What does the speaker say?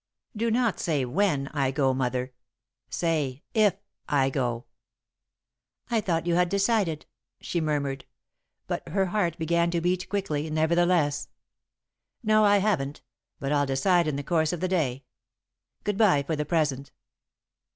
"Do not say when I go, Mother say if I go." "I thought you had decided," she murmured, but her heart began to beat quickly, nevertheless. "No, I haven't, but I'll decide in the course of the day. Good bye for the present."